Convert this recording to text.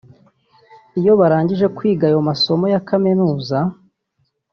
Iyo barangije kwiga ayo masomo ya kaminuza